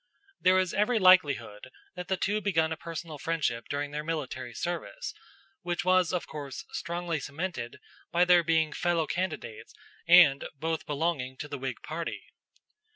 There is every likelihood that the two had begun a personal friendship during their military service, which was of course strongly cemented by their being fellow candidates and both belonging to the Whig party.